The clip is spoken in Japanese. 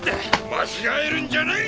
間違えるんじゃない！